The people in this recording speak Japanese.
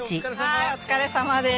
はいお疲れさまです。